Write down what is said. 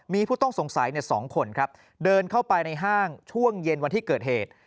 มีผู้ต้องสงสัย๒คนครับเดินเข้าไปในห้างช่วงเย็นวันที่เกิดเหตุ